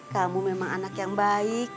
kamu memang anak yang baik